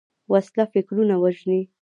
وسله فکرونه وژني